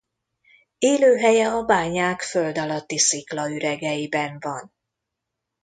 Élőhelye a bányák földalatti sziklaüregeiben van.